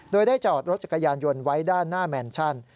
โดยได้จอดรถจักรยานยนต์ไว้ด้านหน้าแมนชั่น